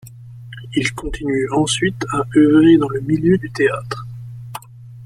Il continue ensuite à œuvrer dans le milieu du théâtre.